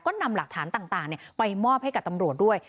ก็นำหลักฐานต่างไปมอบให้กับตำรวจด้วย